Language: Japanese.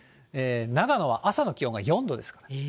長野は朝の気温が４度ですから。